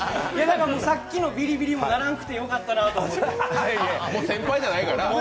さっきのビリビリもならなくてよかったなと思って。